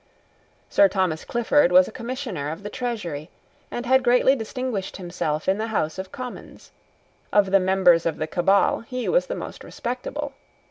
Sir Thomas Clifford was a Commissioner of the Treasury, and had greatly distinguished himself in the House of Commons. Of the members of the Cabal he was the most respectable.